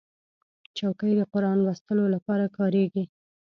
چوکۍ د قرآن لوستلو لپاره کارېږي.